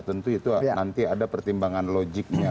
tentu itu nanti ada pertimbangan logiknya